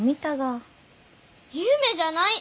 夢じゃない！